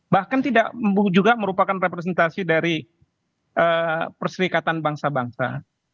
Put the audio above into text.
bahkan tidak juga merupakan representasi dari perserikatan bangsa bangsa